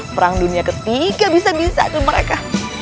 perang dunia ketiga bisa bisa tuh mereka